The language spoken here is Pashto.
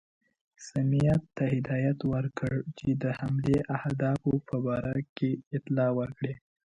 سمیت ته هدایت ورکړ چې د حملې اهدافو په باره کې اطلاع ورکړي.